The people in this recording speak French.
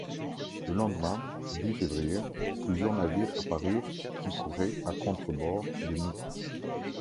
Le lendemain, dix février, plusieurs navires apparurent qui couraient à contre-bord de nous.